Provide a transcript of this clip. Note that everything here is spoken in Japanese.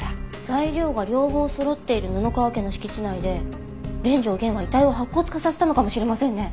材料が両方そろっている布川家の敷地内で連城源は遺体を白骨化させたのかもしれませんね。